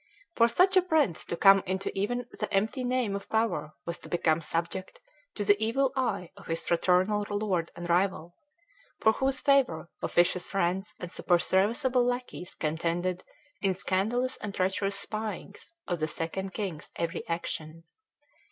For such a prince to come into even the empty name of power was to become subject to the evil eye of his fraternal lord and rival, for whose favor officious friends and superserviceable lackeys contended in scandalous and treacherous spyings of the Second King's every action.